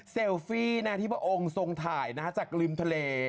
เซลฟี่ไหนที่พระองค์ทรงถ่ายนะฮะจากกลิมทะเล